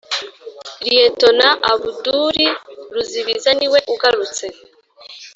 liyetona abuduli ruzibiza, ni we ugarutse,